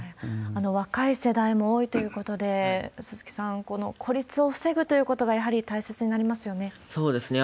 若い世代も多いということで、鈴木さん、孤立を防ぐということがやはり大切になりますよね。